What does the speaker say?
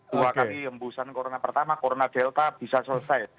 dua kali hembusan corona pertama corona delta bisa selesai